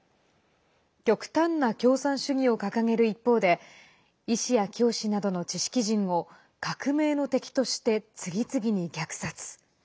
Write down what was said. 極端な共産主義を掲げる一方で医師や教師などの知識人を革命の敵として次々に虐殺。